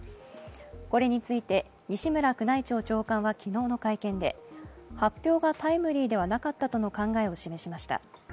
これについて、西村宮内庁長官は昨日の会見で発表がタイムリーではなかったとの考えを示しました。